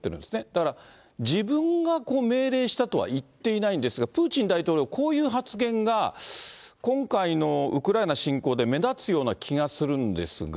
だから、自分が命令したとは言っていないんですが、プーチン大統領、こういう発言が今回のウクライナ侵攻で目立つような気がするんですが。